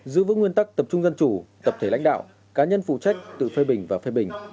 giữ vững nguyên tắc tập trung dân chủ tập thể lãnh đạo cá nhân phụ trách tự phê bình và phê bình